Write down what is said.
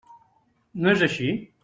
No és així?